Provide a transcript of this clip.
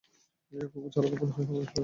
নিজেকে খুব চালাক মনে করো সাবধান হূম?